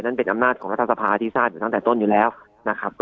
นั่นเป็นอำนาจของรัฐสภาที่ทราบอยู่ตั้งแต่ต้นอยู่แล้วนะครับ